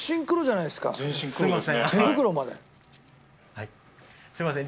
はいすいません。